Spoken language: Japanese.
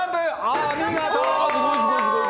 お見事！